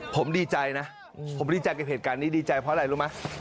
ผมดีใจนะผมดีใจกับเหตุการณ์นี้ดีใจเพราะอะไรรู้ไหม